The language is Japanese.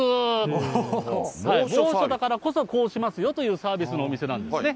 猛暑だからこそこうしますよというサービスのお店なんですね。